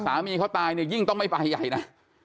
สามีเขาตายเนี่ยยิ่งต้องไม่ไปใหญ่นะ